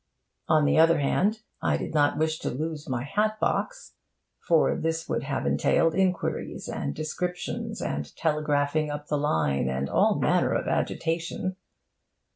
On the other hand, I did not wish to lose my hat box, for this would have entailed inquiries, and descriptions, and telegraphing up the line, and all manner of agitation.